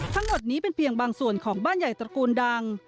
ทั้งหมดนี้เป็นเพียงบางส่วนของบ้านใหญ่ตระกูลดัง